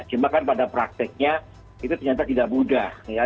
cuma kan pada prakteknya itu ternyata tidak mudah ya